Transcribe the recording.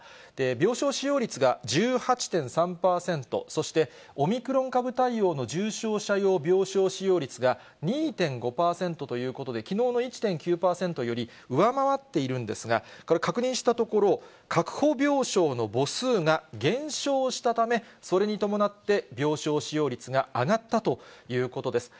病床使用率が１８．３％、そしてオミクロン株対応の重症者用病床使用率が２．５％ということで、きのうの１．９％より上回っているんですが、これ、確認したところ、確保病床の母数が減少したため、それに伴って、病床使用率が上がったということです。